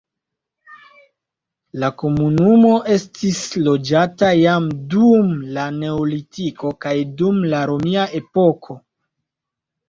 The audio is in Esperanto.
La komunumo estis loĝata jam dum la neolitiko kaj dum la romia epoko.